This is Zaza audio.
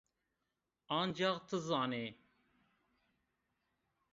Ancax ti zanî